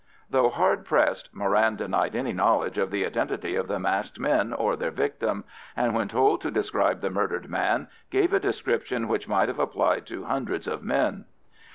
Though hard pressed, Moran denied any knowledge of the identity of the masked men or their victim; and when told to describe the murdered man, gave a description which might have applied to hundreds of men.